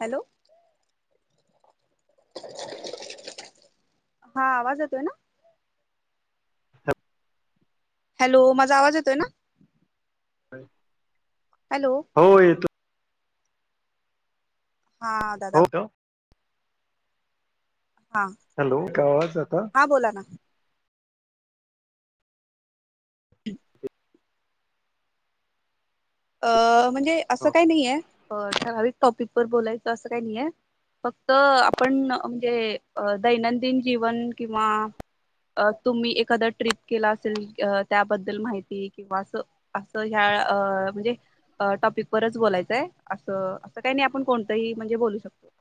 Hello हा आवाज येतोय ना हप हॅलो माझा आवाज येतोय ना हॅलो हो येतो हा दादा हो हा हॅलो काय आवाज आता हा बोला ना ह अ म्हणजे असं काय नाहीय ठराविक टॉपिक व बोलायचं असं काही नाही आहे फक्त आपण म्हणजे दैनंदिन जीवन किंवा अ तुम्ही एखादा ट्रिप केला असेल त्याबद्दल माहिती किंवा अस अस ह अ असं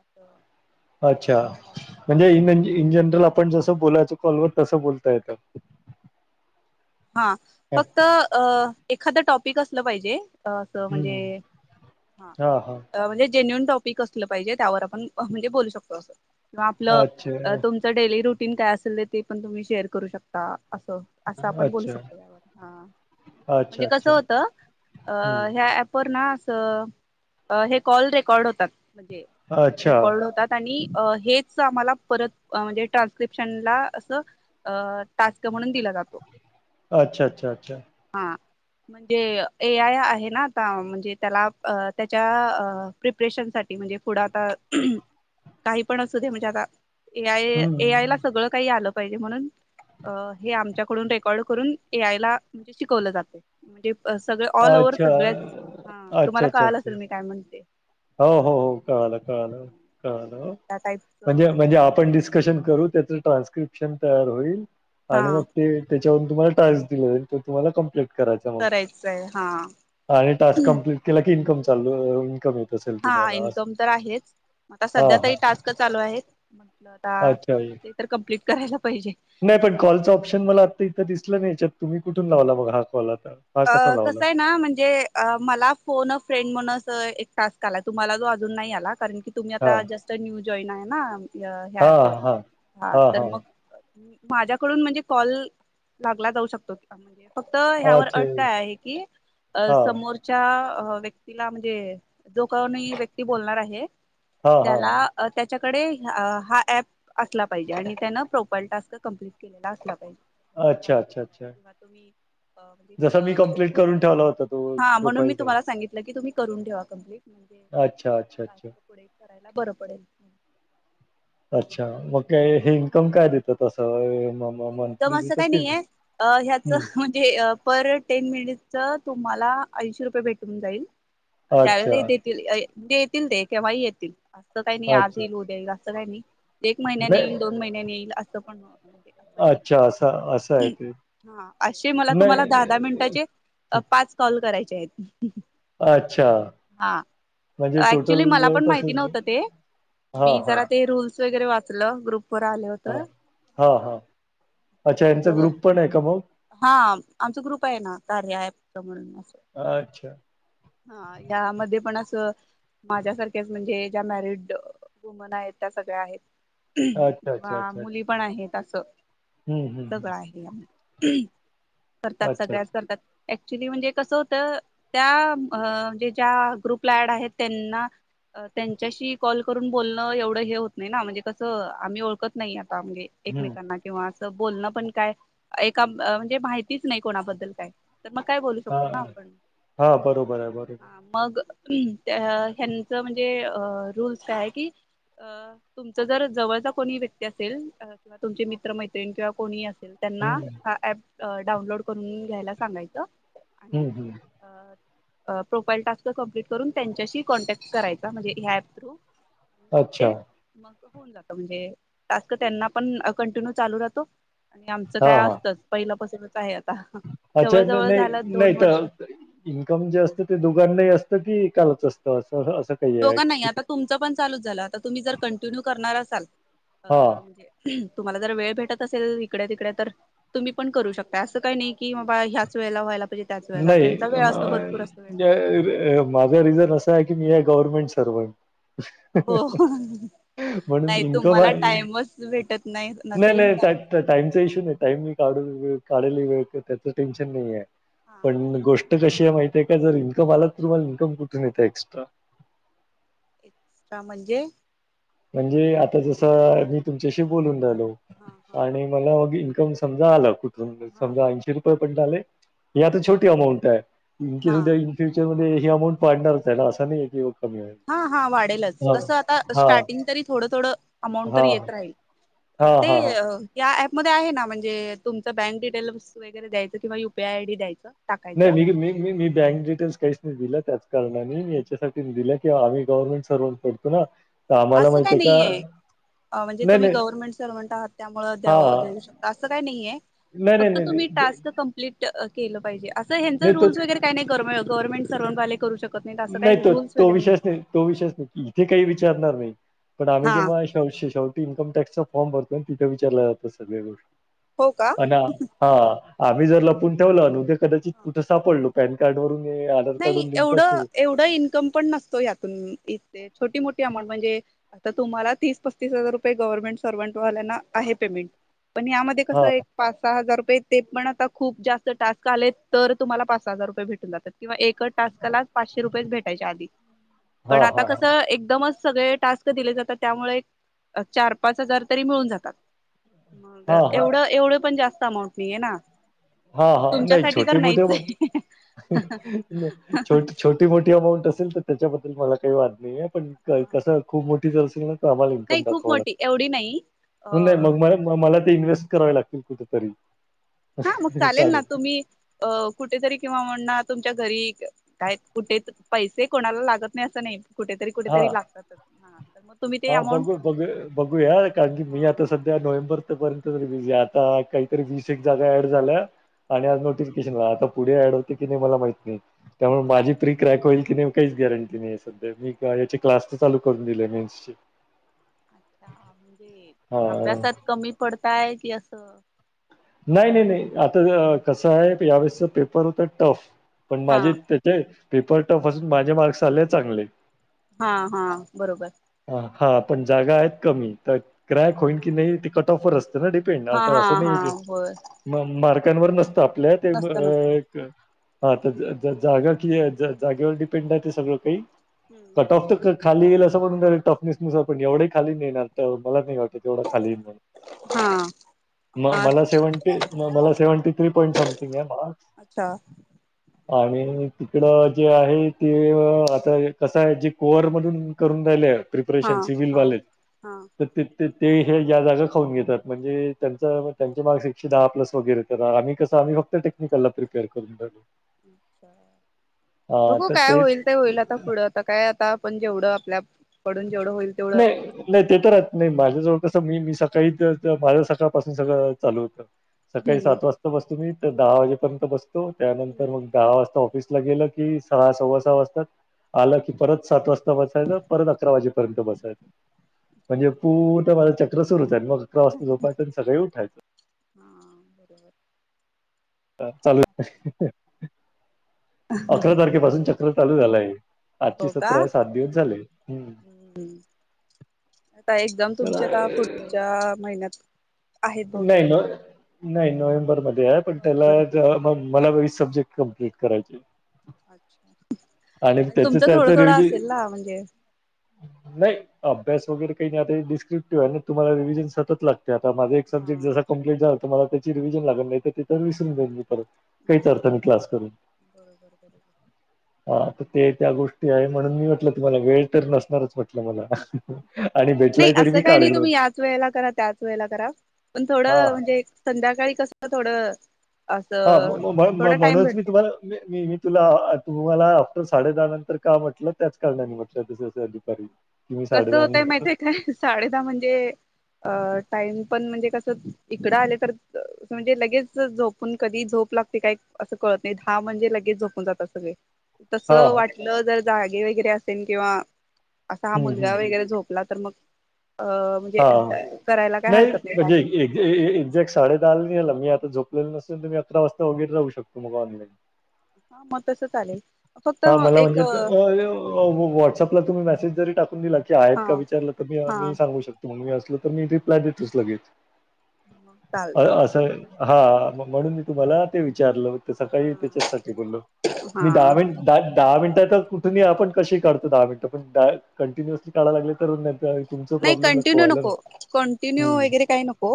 त अच्छा म्हणजे इन इन जनरली आपण नाही जसं बोलायचं. हवं तसं बोलता येत. हा फक्त अ एखाद टॉपिक असलं पाहिजे. अ त म्हणजे हम्म हा म्हणजे जेन्युन टॉपिक असलं पाहिजे, त्यावर आपण म्हणजे बोलू शकतो असं. किंवा आपलं अच्छा तुमचं डेली रुटीन काय असेल तर, ते पण तुम्ही शेअर करू शकता. असं असा. बोलू अच्छा शकतो. अच्छा म्हणजे कस अच्छा होत. हम्म ह्या ॲपवर ना हे कॉल रेकॉर्ड होतात. म्हणजे अच्छा रेकॉर्ड होतात आणि हेच आम्हाला परत म्हणजे ट्रान्स्क्रिपशनला अस टास्क म्हणून दिला दिला जा अच्छा, अच्छा, अच्छा. हा. म्हणजे ए. आय आहे ना आता. म्हणजे त्याला त्याच्या प्रिपरेशन साठी. म्हणजे पुढं आता. काही पण असू दे, म्हणजे आता ए. आय ए. हम्म आयला सगळं काही आलं पाहिजे, म्हणून अ हे आमच्याकडून रेक रेकॉर्ड करून ए. आयला. म्हणजे शिकवलं जाते. म्हणजे सगळ ऑल ओव्हर अच्छा सगळ्याच ह अच्छा तुम्हाला अच्छा कळाल अच्छा असेल मी काय म्हणते. क त्या टाईपच म्हणजे म्हणजे आपण डिस्कशन करू, त्याच ट्रान्स्क्रिप्शन तयार होईल. हा आणि मग ते त्याच्यावरून तुम्हाला टास्क दिलं जाईल. ते तुम्हाला कम्प्लेट करायच मग. करायचंय हा आणि टास्क कमप्लीट केला, की इनकम चालू इन्कम येत. असेल हा तुम्हाला असं इन्कम तर आहेच, आता हां, सध्या हां. तरी टास्क चालू आहेत. म्हटलं आता अच्छा. ये. ते तर कम्प्लीट करायला पाहिजे. नाही पण कॉलचं ऑप्श मला आता इथं दिसलं. नाही याच्यात तुम्ही कुठून लावला बघ हा कॉल. हा अ कसा लावला? कसं आहे ना. म्हणजे मला फोन अ फ्रेंड म्हणत. टास्क आलय. तुम्हाला तो अजून नाही आला, कारण की तुम्ही हां. आता जस्ट न्यू जॉईन आहे ना. ह्या हां, ॲपवर हां. हा हां, तर मग. हां. माझ्याकडून म्हणजे कॉल लागला जाऊ शकतो, फक्त ह्यावर अ अच्छा. काय आहे की, हां. समोरच्या आ व्यक्तीला म्हणजे जो कोणी व्यक्ती बोलणार आहे. हां, त्याला हां. अ त्या त्याच्याकडे हा ऍप असला पाहिजे, आणि त्यानं प्रोपाइल टास्क कमप्लीट केलेला असला पाहिजे. अच्छा, पाचच अच्छा, हाय किंवा तुम्ही अ म्हणजे तो मी अ, कंप्लीट खूप करून ठेवला होता, तो हा म्हणून प्रोफाईल मी टास्क. तुम्हाला सांगितलं की तुम्ही करून ठेवा कंप्लीट. म्हणजे अच्छा. अच्छा. अच्छा. टास्क पुढे करायला बरं पडेल. अच्छा, मग काय हे इन्कम काय देतात असं? म म इन्कम मंथली असं देतात काही की नाहीए, अ ह्याच हं. म्हणजे हे पर टेन मिनी ट्सच तुम्हाला ऐंशी रुपये भेटून जाईल, अच्छा, त्यावेळेला देतील. देतील ते केव्हाही येतील. असं काही नाही आज अच्छा. येईल, उद्या येईल असं काही नाही. एक महिन्याने नाही येईल, दोन महिन्याने येईल, असं पण. अच्छा असं असं आहे ये, ते. हा असे मला तुम्हाला धा नाही धा मिनटाचे अ पाच कॉल करायचे आहेत. अच्छा. हा. म्हणजे टोटल ऍक्च्युली मला पण जवळपास माहिती नव्हतं, हां, ते. मी हां, जरा ते रूल्स वगैरे वाचल, ग्रुप वर आले होत. हां. हां, हा. हां. तर अच्छा मग यांचा ग्रुप पण आहे का मग? हा, आमचा ग्रुप आहे ना. कार्या ॲप चा म्हनुन अच्छा. हा यामध्ये पण असं, माझ्यासारख्याच म्हणजे ज्या मॅरिड वुमन आहेत, त्या सगळ्या आहेत. मुली पण आहेत आसं. हम्म हम्म हम्म. करतात. सगळ्याच अच्छा. करतात. अऍक्च्युली म्हणजे कसं होत, त्या म्हणजे ज्या ग्रुपला ड आहेत त्यांना त्यांच्याशी कॉल करून बोलणं एवढं हे होत नाही ना? म्हणजे कसं आम्ही ओळखत नाही. हं. एकमेकांना. बोलणंपण काय? एका म्हणजे माहितीच नाही कोणाबद्दल काय. तर मग काय बोलू हां, शकतो ना हां. आपण? हां, बरोबर आहे, बरोबर. ह मग ह्यांच म्हणजे रूल्स का आहे की? अ तुमच जर जवळचा कोणी व्यक्ती असेल किंवा तुमचे मि मित्र-मैत्रिणी किंवा कोणी असेल त्यांना हं, हा ऍप डाउनलोड करून घ्यायला सांगायचं. आणि हं, हं. अ प्रोफाईल टास्क कंप्लीट करून त्यांच्याशी कॉन्टॅक्ट करायचा म्हणजे ह्या ऍप थ्रू. अच्छा. ते मग होऊन जात. म्हणजे टास्क त्यांना पण कंटिन्यू चालू राहतो. आणि आमचं हां, काय हां. असतच पहिला पसूनच आहे. आता अच्छा जवळ जवळ नाही. झालं नाही दोन वर्ष तर इन्कम जे असत ते दुघन नाही असत? की एकालच असतं? असं असं काही आहे दोघंनाही, की आता तुमचं पण चालूच झालं. आता तुम्ही जर कंटिन्यू करणार असाल. ह हां. म्हणजे तुम्हाला जर वेळ भेटत असेल, इकडे तिकडे तर तुम्ही पण करू शकता असं काही नाही की बाबा ह्याच वेळेला व्हायला पाहिजे त्याच वेळेला नाही. त्यांचा वेळ असतो भरपूर असतो वेळ माझा रिझन असा आहे की, मी गव्हर्नमेंट सर्व्हंट. हो म्हणून नाही इनकम तुम्हाला आणि टाइमच भेटत नाही नसेल नाही त्या ामचा इशू नाही टाईम काढून काढेल वेळ त त्याच टेन्शन नाही आहे हा पण गोष्ट कशी ए माहतीे का? जर इन्कम आला तर तुम्हाला इन्कम कुठून येत? एक्स्ट्रा. का म्हणजे म्हणजे आता जस मी तुमच्याशी बोलून झालो हा हा आणि मला समजा आलं कुठ हा समा ऐंशी रुपये पर्ंत आले. ह आता हा छोटी अमाऊंट आहे. इनकेस हा उद्या इन फ्युचरमध्ये हे अमाऊंट वाडणारच आहे ना असं नाही कि हा हा वाढेलच कसं आता हा स्टार्टिंग तरी थोडं थोडं अमाऊंट तर हा येत राहील. अ हा ते हा पमध्येध्ये आहे ना. म्हणजे तुमच बँक डिटेल्स वगैरे द्यायचं किंवा युपीआय आयडी द्यायचं. टाकायचं नाही, मी मी बँक डिटेल्स काहीच नाही दिलं त्याच कारणाने मी याच्यासाठी दिलं किंवा आम्ही गव्हर्नमेंट सर्वांट पडतो ना? आम्हाला असं माहित काय आहे का? नाहीये म्हणजे नाही तुम्ही नाही गव्हर्नमेंट सर्मंट आहात. त्यामु हा देऊ शकता असं काही नाहीये. नाही नाही फक्त नाही नाही तुम्ही द टास्क कम्प्लीट केलं पाहिजे. असंचं नाही तो रूल्स वगैरे काय नाही, गव्हर्मेंट सर्वांतवाले करू शकतात. नाही, तो तो विषयच नाही तो विषयच नाही इथे काही विचारणार नाही. पण आम्ही हा जेव्हा शेव शेवटी इनकम टॅक्स चा फॉर्म भरतोय तिथे विचारला जातो सगळ्या गोष्ट. हो का? अ ना हा. आम्ही जर हा लपून ठेवलं उदे कदाचित हा. कुठ सापडलो. पॅन कार्ड वरून हे आधार कार्डून लिंक असत. एवढा इन्कम पण नसतो यातून इ छोटी मो अंट म्हणजे आता तुम्हाला तीस पस्तीस हजार रुपये गव्हर्नमेंट सर्व्हंट वाल्याना आहे पेमेंट. पण यामध्ये हा कसं एक पाच सहा हजार रुपयेेत ते पण आता खूप जास्त टास्क आले तर तुम्हाला पाच हजार रुये भेटून जात किंवा एक टास्कला च पाचशे रुपयेच भेटायचे आधी हा पण आता हा कस एकदमच सगळे टास्क दिले जातात. त्यामुळे चार पाच हजार तरी मिळून जातात. मग हा हा एवढं एवढं पण जास्त अमाऊंट नाहीये ना? हा हा नाही तुमच्यासाठी तर छोटे मोठे नाहीच पण आहे छट छोटी मोठी अमाऊंट असेल तर त्याच्याबद्दल मला काही वाद नाही आहे पण कसं खूप मोठ आम्हाला नाही इनकम खूप दाखवाग मोठी एवढी नाही अ मला इन्व्हेस्ट करावे लागतील कुठेतरी हा मग चालेल ना काढून. तुम्ही अ कुठेतरी किंवा म्हण तुमच्या घ तरी काय कुठे पैसे कोणाला लागत नाही असं नाही. कुठेतरी कुठेतरी हां, लागतातच हा तर मग तुम्ही ते हां. अमाऊंट बघू बघू बघूया कारण की मी हा आता सध्या नोव्हेंबर पर्यंत आ काहीतरी वीस एक जागा ऍड झाल्या आणि हा आ नोटिफिकेशन पुढे ऍड होते की नाही मला माहत नाही. त्यामुळे अच्छा माझी फी क्रॅक होईल की नाही काहीच गॅरंटी नाही सध्या मी याची क्लास तर चालू करून दिली मीन्सची अच्छा म्हणजे अभ्यासात कमी पडताय कि असं. नाही नाही नाही आता कसं आहे यावेळेसच पेपर होत टफ पण हा माझे त्याचे पेपर टफ असून माझे मार्क्स आले चांगले हा हा बरोबर. हा पण जागा आहेत. कमी तर ग्रायक होईन अच्छा की नाही ते कट ऑफर असत. डिपेंड हा आता हा असं हा नाही होय मार्कवर नसत तपल्या ते नसतं नसतं एक हा तर जागा कि जागेवर डिपेंड आहे. ते सगळं काही हम्म कट ऑफ तर क खाली येईल असं पण टफनेस नुसार पण एवढे खाली नाही. येणार तर मला नाही वाटत तेवढ खाली हा म हा मला मला सेव्हटी थ्री पॉंट समथिंग आहे. अच्छा आणि तिकडं जे आहे. ते आता कसं आहे, जे कोअर मधून करून रायले हा प्रिपरेशन हा सिवलवाले हा तर ते ते हे ज्या जागा खाऊन घेतात म्हणजे त्यांच तुमचे मार्क कसं एकशे दहा प्लस करा आम्ही कर फक्त टेक्निकल ला प्रिपेयर करून जातो. अच्छा हा बघू तर काय तेच होईल ते होईल आता पुढं आता काय आता आपण जेवढं आपल्याकडून नाही नाही ते तर रात नाही माझ्याजवळ मी मी सकाळी माझ्या सकाळपासून सगळं चालू होतं सकाळी हम्म सात वाजता बसत मी दहा वाजेपर्यंत बसतो त्यानंतर हम्म मग दहा वाजता ऑफिसला गेलं की सहा सव्वा सहा वाजताात आला की परत सात वाजता बसायचा परत अकरा वाजेपर्यंत बसायच म्हणजे पूर्ण माझं चक्र सुरूच. स मग अकरा वाजता झोपायचं आणि सगळे उठायचं. हा बरोबर चालू अकरा तारखेपासून चक्र चालू झालंय. आजची हो का सतरा सात दिवस झाले. हम्म आता एकदम तुमच्या आता तर पुढच्या महिन्यात आहेत बहुतेक नाही न नाही. नोव्हेंबर मध्ये आहे. पण नोव्हेंबर हा त्याला म मला वीस सब्जेक्ट कमप्लीट करायचे अच्छा. आणि त्याच तुमचं तर थोडं तर थोडं रिजन असेल ना म्हणजे नाही. अभ्यास वगैर काही नाही डिस्प्टिव आहे. ना तुमला रि्हिजन सत लागते आताझ एक हा सबजेक् जसा कंप्लीट तुमला त्याची रीव्हिजन लागल नाही. ते तर विसरूनई काही हम्म तरता मी क्लास करून. बरोबर बरोबर हा तर ते त्या गोष्टी आहे म्हणून मी म्हटलं तुम्हाला वेळ तर नसणारच म्हटलं मला आणि नाही. भेटलाय तरी असं मी काही काढेल नाही. होत तुम्ही याच वेळेला करा त्याच वेळेला करा पण थोड हा म्हणजे संध्याकाळी कस थोडं हा असं थोडा टाइम म्हणूनच मी भेटतो ना तुम्हाला तुला तुम्हाला आफ्टर साडे दहा नंतर का म्हटलं त्याच कारणाने म्हटलं तस दुपारी की मी कसं होतय नंतर माहिती आहे काय, साडे दहा म्हणजे अ टाइम पण म्हणजे कसं इकडं आलं तर म्हणजे लगेच झोपून कधी झोप लागते काय असं कळत नाही, दहा म्हणजे लगेच झोपून जातात सगळे. तस हां, हां. वाटलं जर जागे वगैरे असेल किंवा, असा हा हं, मुलगा हं, वगैरे झोपला तर मग अ म्हणजे हा करायला काय नाही, हरकत म्हणजे टास्क एक्झॅक्ट साडेदाहाला मी आता झोपतो. जर नसतील तर मग आत्ता मी असतो ऑनलाईन, [unintelligible] हा मग तसं चालेल फक्त हां, मला एक, म्हणजे अ, [unintelligible] अ, तुम्ही मेसेज जरी टाकून दिला की आहेत, का विचारलं तर मी हा मी सांगू शकतो मग मी असल तर मी रिप्लाय देतोच लगेच चालते असं हा म्हणून मी तुम्हाला ते विचारलं, हा सकाळी त्याच्याचसाठी बोललो हा मी दहा हा मिनट द दहा मिनिटात, कुठून आपण कसे काढतो, दहा मिनटं पण कंटिन्युअस काय लागले तर तुमच प्रॉब्लेम, किटीन्यू व्हायला ना नको कंटिन्यू हम्म. वगैरे काही नको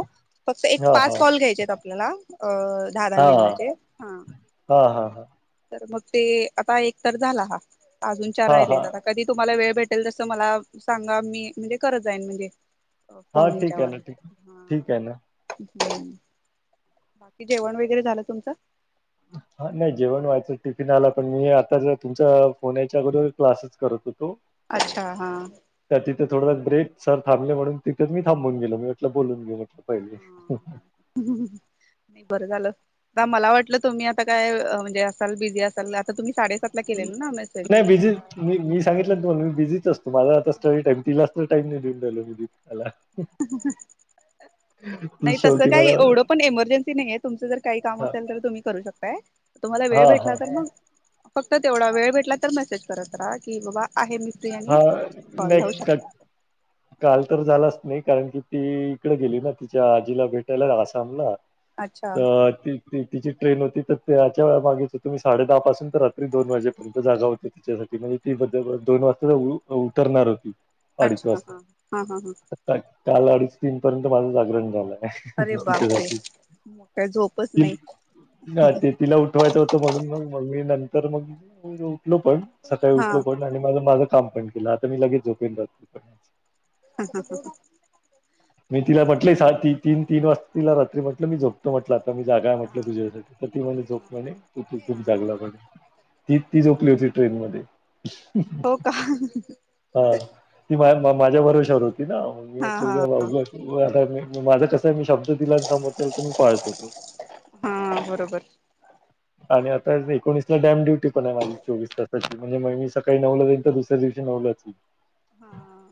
फक्त एक हा हा पाच कॉल घ्यायचे आपल्याला अ दहा दहा हा मिनटाचे हा, हा हा हा तर मग ते आता एक तर झाला हा अजून चार हा राहिले हा आता कधी तुम्हाला वेळ भेटेल तस मला सांगा मी म्हणजे करत जाईन म्हणजे. हा फोन ठीक आहे ह्याच्यावर ना ठीक ठीक हा आहे ना, बाकी जेवण वगैरे झालं तुमचं. हा नाही जेवण व्हायचं टिफिन आला पण मी आताच तुमच्या फोन याच्या अगोदर क्लासेस करत होतो. अच्छा हा, ते थोड ब्रेक सर थांबले म्हनूण तिथं मी थांबून गेलो म्हंटल बोलून घेऊ, म्हटलं पहिले नाही बरं झालं का मला वाटलं, तुम्ही आता काय म्हणजे, असाल बिझी असाल आता तुम्ही साडे नाही बिझी मी मी सांगितलं तुमला मी बिझीच असतो, माझा आता स्टडी टाइम तिला असतो. टाईम नाही देऊन [unintelligible] ह [unintelligible] [unintelligible] नाही तसं काही मला एवढं पण एमर्जनसी नाही, आहे तुमचं जर काही काम हा असेल तर तुम्ही करू शकताय तुम्हाला वेळ हां, भेटला हां. तर मग फक्त तेवढा वेळ भेटला तर मेसेज करत, रहा की बाबा आहे मी फ्री हा आणि कॉल लावू नाही का शकता. काल तर झालाच नाही. कारण की ती इकडे गेली ना तिच्या आजीला भेटायला, आसामला अच्छा तर ती. तिची ट्रेन होती, तर त्याच्या च मागेच तुम्ही साडे दहा पासून तर रात्री दोन वाजेपर्यंत जागा होती त्याच्यासाठी म्हणजे ती मध्ये दोन वाजता उतरणार होती. अडीच अच्छा हा हा हा हा वाजता काल अडीच तीन पर्यंत माझं जागरण झालंय. अरे बापरे तिच्यासाठी, मग काय झोपच नाही [unintelligible] ह ते तिला उठवायचं होतं. म्हणून मग मग मी न मग उठलो पण सकाळी हा उठलो पण आणि मला माझा, काम पण केलं आता मी लगेच झोपेन रा, [unintelligible] मी तिला चालेल. म्हटलंय साी तीन तीन वाजता तिला रात्री म्हटलं मी झोपतो म्हटलं. मग जागा म्हटल हा तुझ्यासाठी तर ती म्हंटली हा झोपा म्हणे तु खूप हा जागला म्हने, ती ती हा झोपली होती ट्रेन मध्ये, हो का- हा ती मा माझ्या भरोशावर होती, हा हा [unintelligible] माझं कस. मी शब्द दिला समोरच्यांनी तर तो मी पाळतो. हा बरोबर आणि आता एकोणीसला डॅम डुटी पण आहे, माझी चोवीस तासाची म्हणजे मग मी सकाळी नऊला जाईल तर दुसऱ्या दिवशी नऊलाच हा